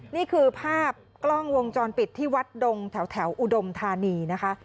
นี่คือภาพกล้องวงจรปิดที่วัดดงแถวอุดมธานีนะคะ